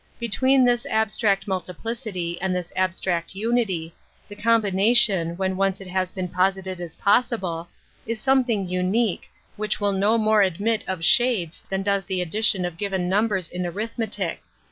Be tween this abstract multiplicity and this abstract unity, the combination, when once it has been posited as possible, is something unique, which will no more admit of shades than does the addition of given numbers in arithmetic.